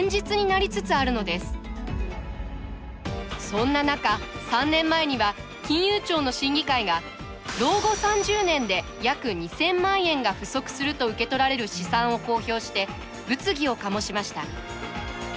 そんな中３年前には金融庁の審議会が老後３０年で約２，０００万円が不足すると受け取られる試算を公表して物議を醸しました。